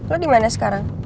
lo dimana sekarang